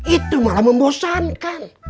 itu malah membosankan